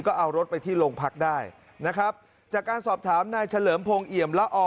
ก็เอารถไปที่โรงพักได้นะครับจากการสอบถามนายเฉลิมพงศ์เอี่ยมละอ